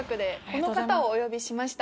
この方をお呼びしました。